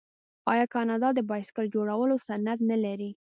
آیا کاناډا د بایسکل جوړولو صنعت نلري؟